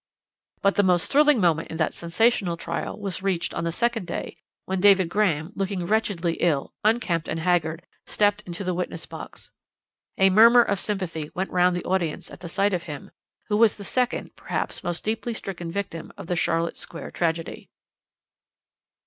"But the most thrilling moment in that sensational trial was reached on the second day, when David Graham, looking wretchedly ill, unkempt, and haggard, stepped into the witness box. A murmur of sympathy went round the audience at sight of him, who was the second, perhaps, most deeply stricken victim of the Charlotte Square tragedy.